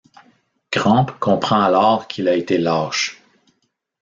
Gramp comprend alors qu'il a été lâche.